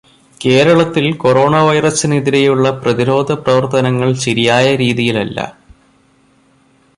കേരളത്തിൽ കൊറോണ വൈറസിന് എതിരെയുള്ള പ്രതിരോധപ്രവർത്തനങ്ങൾ ശരിയായ രീതിയിൽ അല്ല.